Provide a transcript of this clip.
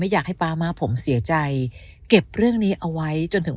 อยากให้ป๊ามาผมเสียใจเก็บเรื่องนี้เอาไว้จนถึง